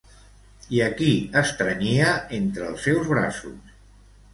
I a qui estrenyia entre els seus braços?